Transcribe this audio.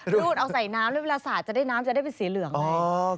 รูดเอาใส่น้ำแล้วเวลาสาดจะได้น้ำจะได้เป็นสีเหลืองไหม